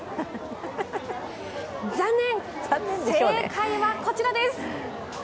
残念、正解はこちらです。